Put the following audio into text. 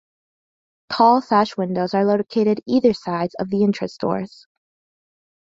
Tall sash windows are located either side of the entrance doors.